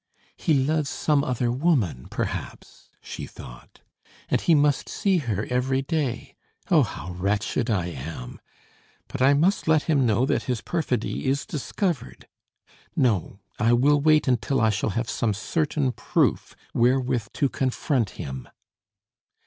"He loves some other woman, perhaps," she thought, "and he must see her every day. Oh, how wretched I am! But I must let him know that his perfidy is discovered. No, I will wait until I shall have some certain proof wherewith to confront him."